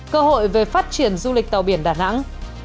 cơ hội về phát triển du lịch tàu biển đà nẵng